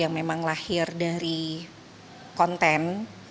yang memang lahir dari konten